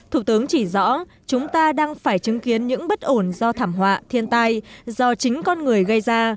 thủ tướng chỉ rõ chúng ta đang phải chứng kiến những bất ổn do thảm họa thiên tai do chính con người gây ra